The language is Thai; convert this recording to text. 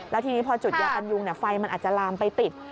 แล้วทีนี้พอจุดยากันยุงไฟมันอาจจะลามไปติด